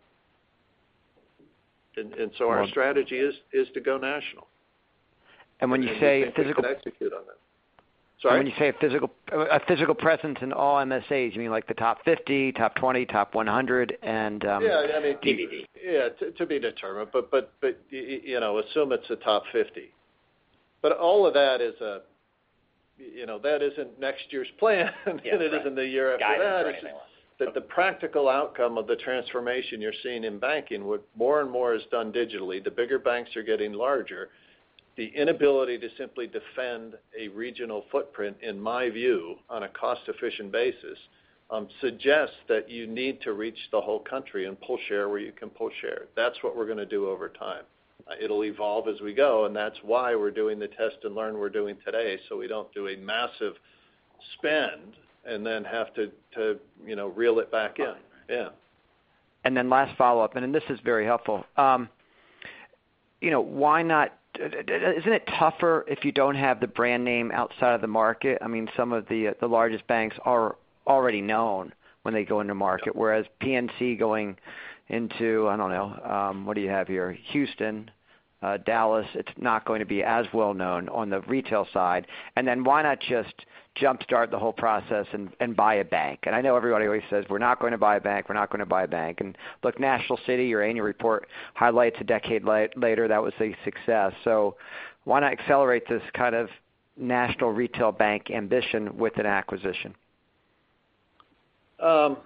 Our strategy is to go national. When you say physical- We think we can execute on that. Sorry? When you say a physical presence in all MSAs, you mean like the top 50, top 20, top 100? Yeah. DDD. Yeah, to be determined. Assume it's the top 50. All of that isn't next year's plan and it isn't the year after that. Got it. It's that the practical outcome of the transformation you're seeing in banking, where more and more is done digitally, the bigger banks are getting larger. The inability to simply defend a regional footprint, in my view, on a cost-efficient basis, suggests that you need to reach the whole country and pull share where you can pull share. That's what we're going to do over time. It'll evolve as we go, and that's why we're doing the test and learn we're doing today, so we don't do a massive spend and then have to reel it back in. Right. Yeah. Last follow-up, and this is very helpful. Isn't it tougher if you don't have the brand name outside of the market? Some of the largest banks are already known when they go into market, whereas PNC going into, I don't know, what do you have here? Houston, Dallas, it's not going to be as well known on the retail side. Why not just jumpstart the whole process and buy a bank? I know everybody always says, We're not going to buy a bank. Look, National City, your annual report highlights a decade later that was a success. Why not accelerate this kind of national retail bank ambition with an acquisition? I'm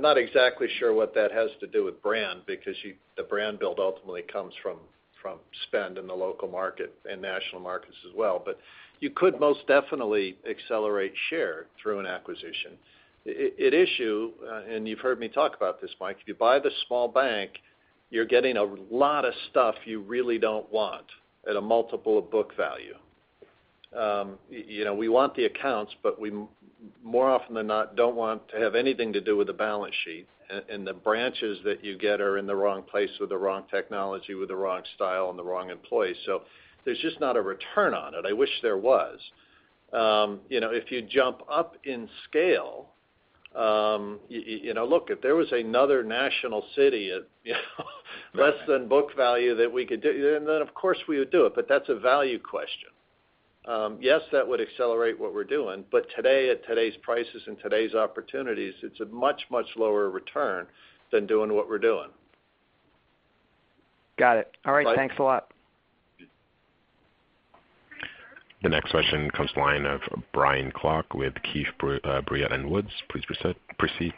not exactly sure what that has to do with brand because the brand build ultimately comes from spend in the local market and national markets as well. You could most definitely accelerate share through an acquisition. At issue, and you've heard me talk about this, Mike, if you buy the small bank, you're getting a lot of stuff you really don't want at a multiple of book value. We want the accounts, but we more often than not don't want to have anything to do with the balance sheet. The branches that you get are in the wrong place with the wrong technology, with the wrong style and the wrong employees. There's just not a return on it. I wish there was. If you jump up in scale, look, if there was another National City at less than book value that we could do, of course we would do it, that's a value question. Yes, that would accelerate what we're doing, today, at today's prices and today's opportunities, it's a much, much lower return than doing what we're doing. Got it. All right. Mike- Thanks a lot. The next question comes to line of Brian Klock with Keefe, Bruyette & Woods. Please proceed.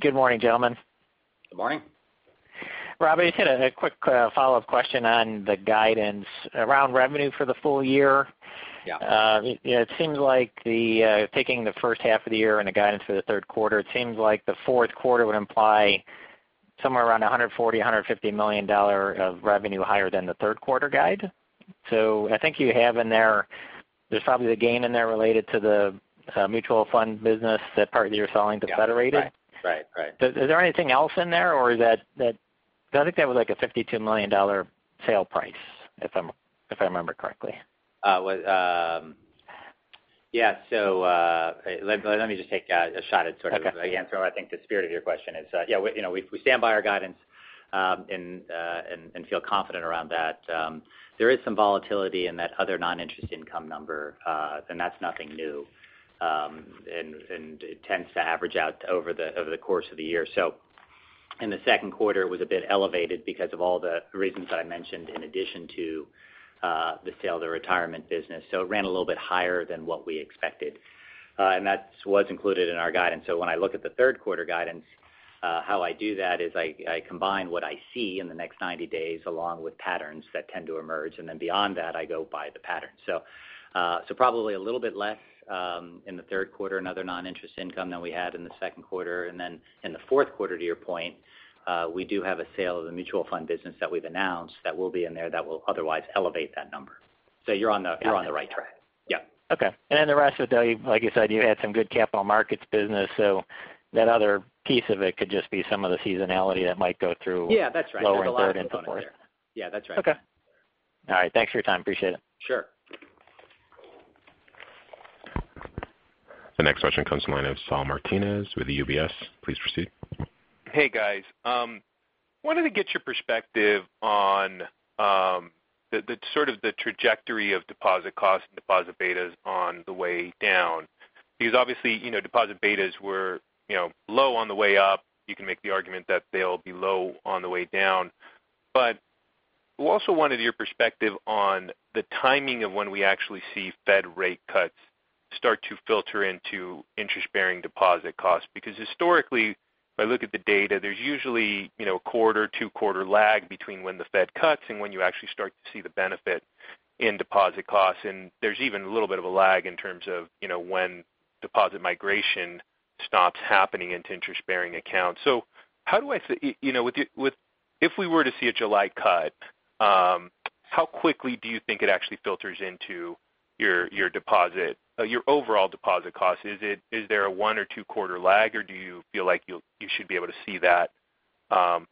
Good morning, gentlemen. Good morning. Rob, I just had a quick follow-up question on the guidance around revenue for the full-year. Yeah. It seems like taking the first half of the year and the guidance for the third quarter, it seems like the fourth quarter would imply somewhere around $140 million-$150 million of revenue higher than the third quarter guide. I think you have in there's probably the gain in there related to the mutual fund business, that part that you're selling to Federated. Yeah. Right. Is there anything else in there or is that I think that was like a $52 million sale price, if I remember correctly. Yeah. Let me just take a shot at sort of. Okay the answer. I think the spirit of your question is, yeah, we stand by our guidance and feel confident around that. There is some volatility in that other non-interest income number, that's nothing new. It tends to average out over the course of the year. In the second quarter, it was a bit elevated because of all the reasons that I mentioned in addition to the sale of the retirement business. It ran a little bit higher than what we expected. That was included in our guidance. When I look at the third quarter guidance, how I do that is I combine what I see in the next 90 days along with patterns that tend to emerge. Then beyond that, I go by the pattern. Probably a little bit less in the third quarter, another non-interest income than we had in the second quarter. In the fourth quarter, to your point, we do have a sale of the mutual fund business that we've announced that will be in there that will otherwise elevate that number. You're on the right track. Yeah. Okay. The rest of it, like you said, you had some good capital markets business, that other piece of it could just be some of the seasonality that might go through- Yeah, that's right lower third and so forth. There's a lot of component there. Yeah, that's right. Okay. All right. Thanks for your time. Appreciate it. Sure. The next question comes to the line of Saul Martinez with UBS. Please proceed. Hey, guys. Wanted to get your perspective on sort of the trajectory of deposit costs and deposit betas on the way down. Obviously, deposit betas were low on the way up. You can make the argument that they'll be low on the way down. Also wanted your perspective on the timing of when we actually see Fed rate cuts start to filter into interest-bearing deposit costs because historically, if I look at the data, there's usually a quarter, two quarter lag between when the Fed cuts and when you actually start to see the benefit in deposit costs. There's even a little bit of a lag in terms of when deposit migration stops happening into interest-bearing accounts. If we were to see a July cut, how quickly do you think it actually filters into your overall deposit cost? Is there a one or two-quarter lag, or do you feel like you should be able to see that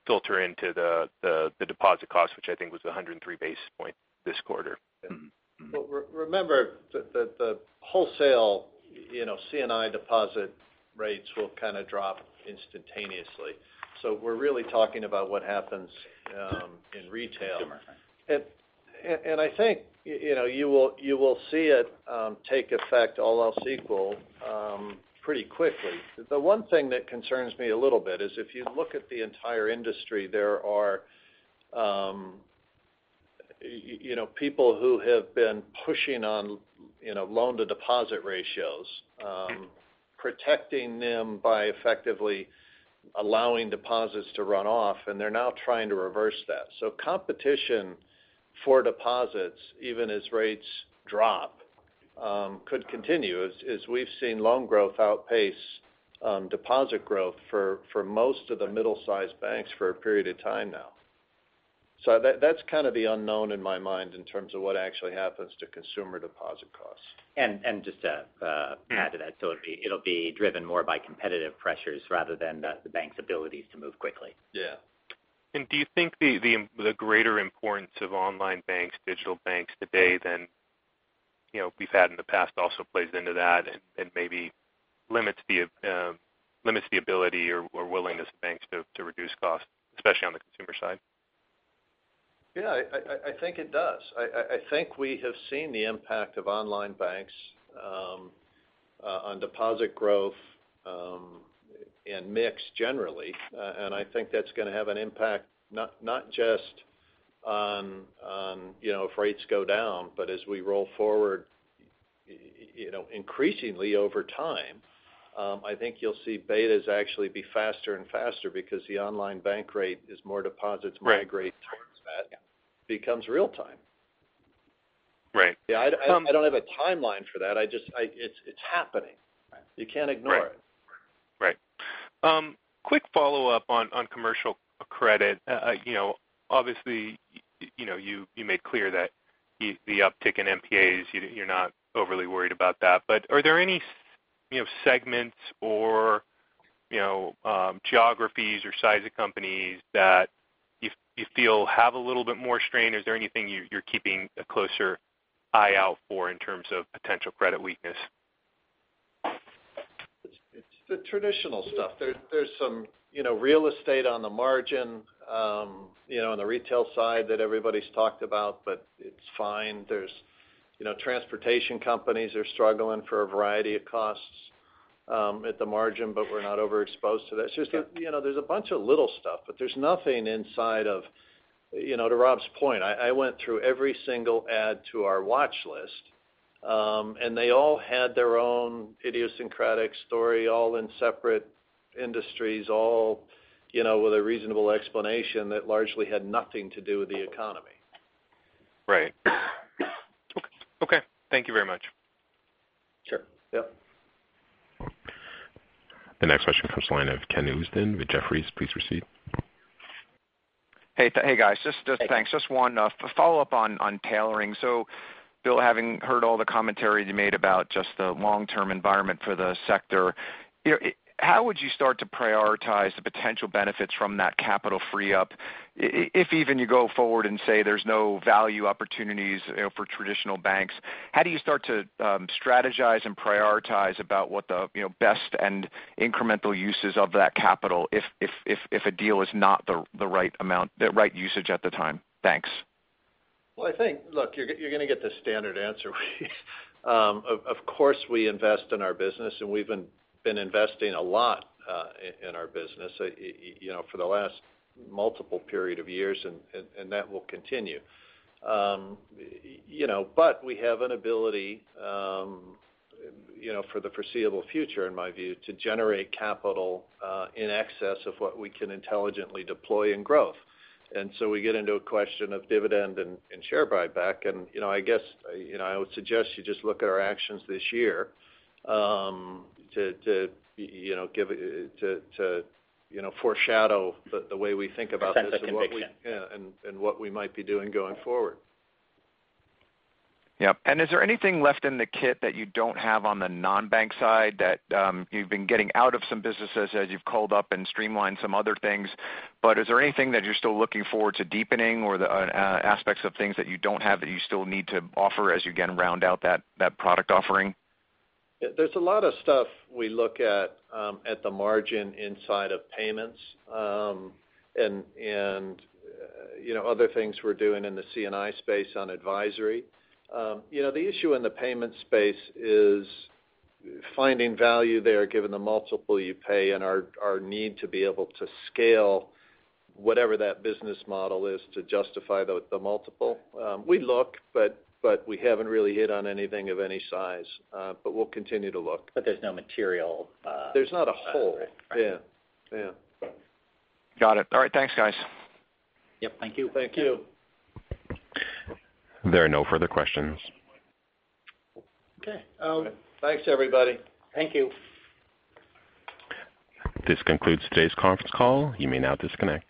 filter into the deposit cost, which I think was 103 basis points this quarter? Remember that the wholesale C&I deposit rates will kind of drop instantaneously. We're really talking about what happens in retail. Consumer. I think you will see it take effect, all else equal, pretty quickly. The one thing that concerns me a little is if you look at the entire industry, there are people who have been pushing on loan-to-deposit ratios. Protecting them by effectively allowing deposits to run off, they're now trying to reverse that. Competition for deposits, even as rates drop could continue, as we've seen loan growth outpace deposit growth for most of the middle-sized banks for a period of time now. That's kind of the unknown in my mind in terms of what actually happens to consumer deposit costs. just to add to that. Yeah. It'll be driven more by competitive pressures rather than the bank's abilities to move quickly. Yeah. Do you think the greater importance of online banks, digital banks today than we've had in the past also plays into that and maybe limits the ability or willingness of banks to reduce costs, especially on the consumer side? Yeah, I think it does. I think we have seen the impact of online banks on deposit growth and mix generally. I think that's going to have an impact not just on if rates go down, but as we roll forward increasingly over time. I think you'll see betas actually be faster and faster because the online bank rate is more deposits migrate- Right towards that becomes real time. Right. Yeah, I don't have a timeline for that. It's happening. Right. You can't ignore it. Right. Quick follow-up on commercial credit. Obviously, you made clear that the uptick in NPAs, you're not overly worried about that. Are there any segments or geographies or size of companies that you feel have a little bit more strain? Is there anything you're keeping a closer eye out for in terms of potential credit weakness? It's the traditional stuff. There's some real estate on the margin on the retail side that everybody's talked about, but it's fine. There's transportation companies are struggling for a variety of costs at the margin, but we're not overexposed to that. Got it. There's a bunch of little stuff, but there's nothing. To Rob's point, I went through every single add to our watch list. They all had their own idiosyncratic story, all in separate industries, all with a reasonable explanation that largely had nothing to do with the economy. Right. Okay. Thank you very much. Sure. Yep. The next question comes line of Ken Usdin with Jefferies. Please proceed. Hey, guys. Thanks. Just one follow-up on tailoring. Bill, having heard all the commentary you made about just the long-term environment for the sector, how would you start to prioritize the potential benefits from that capital free-up? If even you go forward and say there's no value opportunities for traditional banks, how do you start to strategize and prioritize about what the best and incremental uses of that capital if a deal is not the right usage at the time? Thanks. Well, I think, look, you're going to get the standard answer. Of course, we invest in our business, and we've been investing a lot in our business for the last multiple period of years, and that will continue. But we have an ability for the foreseeable future, in my view, to generate capital in excess of what we can intelligently deploy in growth. We get into a question of dividend and share buyback. I would suggest you just look at our actions this year to foreshadow the way we think about this. A sense of conviction yeah, what we might be doing going forward. Yep. Is there anything left in the kit that you don't have on the non-bank side that you've been getting out of some businesses as you've culled up and streamlined some other things? Is there anything that you're still looking forward to deepening or aspects of things that you don't have that you still need to offer as you, again, round out that product offering? There's a lot of stuff we look at the margin inside of payments, and other things we're doing in the C&I space on advisory. The issue in the payment space is finding value there given the multiple you pay and our need to be able to scale whatever that business model is to justify the multiple. We look, we haven't really hit on anything of any size. We'll continue to look. There's no material- There's not a hole. Right. Yeah. Got it. All right. Thanks, guys. Yep, thank you. Thank you. There are no further questions. Okay. Okay. Thanks, everybody. Thank you. This concludes today's conference call. You may now disconnect.